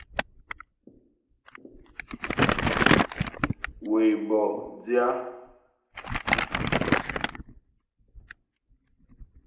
Wé bo dia,